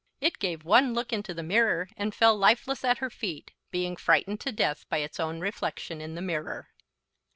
It gave one look into the mirror and fell lifeless at her feet, being frightened to death by its own reflection in the mirror.